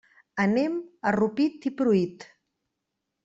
Anem a Rupit i Pruit.